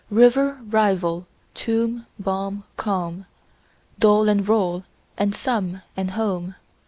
River, rival; tomb, bomb, comb; Doll and roll and some and home.